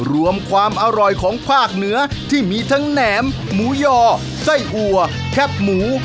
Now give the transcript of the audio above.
รวมความอร่อยของภาคเหนือที่มีทั้งแหนมหมูยอไส้อัวแคบหมู